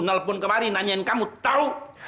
telepon kemarin nanyain kamu tahu